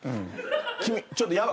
君ちょっとやば。